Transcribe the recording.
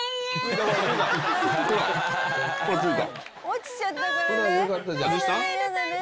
「落ちちゃったからね。